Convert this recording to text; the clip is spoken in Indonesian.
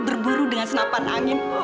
berburu dengan senapan angin